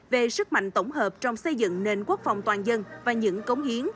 về sức mạnh tổng hợp trong xây dựng nền quốc phòng toàn dân và những cống hiến